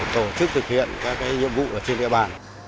tổ chức thực hiện các nhiệm vụ ở trên địa bàn